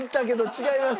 違います！